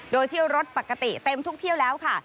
โดยเที่ยวรถปกติเต็มทุกเที่ยวแล้วค่ะ